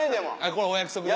これお約束で。